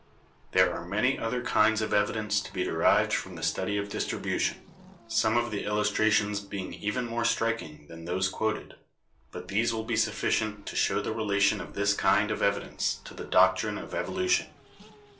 There are many other kinds of evidence to be derived from the study of distribution, some of the illustrations being even more striking than those quoted, but these will be sufficient to show the relation of this kind of evidence to the doctrine of evolution.